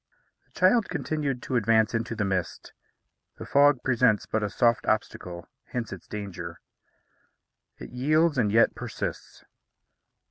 The child continued to advance into the mist. The fog presents but a soft obstacle; hence its danger. It yields, and yet persists.